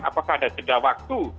apakah ada tiga waktu